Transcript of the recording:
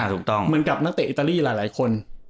เหมือนกับนักเตะอิตาลีหลายคน